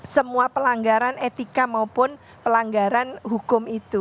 semua pelanggaran etika maupun pelanggaran hukum itu